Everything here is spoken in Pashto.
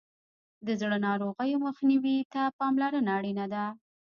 د زړه ناروغیو مخنیوي ته پاملرنه اړینه ده.